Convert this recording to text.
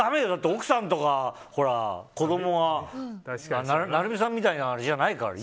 奥さんとか子供が成美さんみたいなのじゃないから。